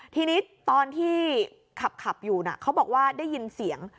ทีนี้ตอนที่ขับอยู่เขาบอกว่าได้ยินเสียง